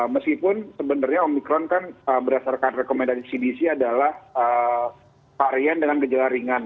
meskipun sebenarnya omikron kan berdasarkan rekomendasi cdc adalah varian dengan gejala ringan